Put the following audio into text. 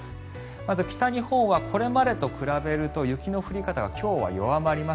まずは北日本はこれまでと比べると雪の降り方が今日は弱まります。